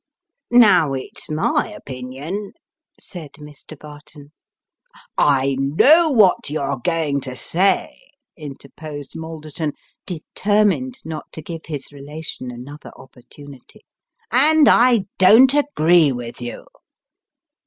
" Now, it's my opinion," said Mr. Barton " I know what you're going to say," interposed Malderton, deter mined not to give his relation another opportunity, " and I don't agree with you."